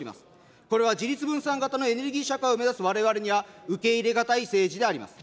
これは自立分散型のエネルギー社会を目指すわれわれには受け入れがたい政治であります。